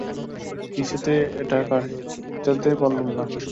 কিছুতেই এটা কাটাতে পারলুম না।